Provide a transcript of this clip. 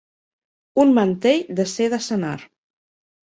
Un mantell de seda senar.